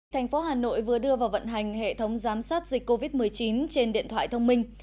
thành phố hà nội vừa đưa vào vận hành hệ thống giám sát dịch covid một mươi chín trên điện thoại thông minh